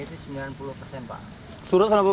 itu surutnya itu sembilan puluh pak